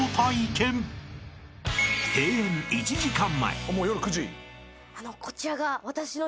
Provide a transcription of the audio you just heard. ［閉園１時間前］